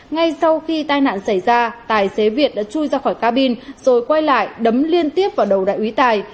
ngay sau khi tai nạn xảy ra tài xế việt đã chui ra khỏi cabin rồi quay lại đấm liên tiếp vào đầu đại úy tài